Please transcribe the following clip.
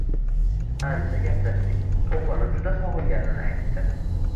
Ancha gaplashdik, o`g`lini juda sog`inganini aytdi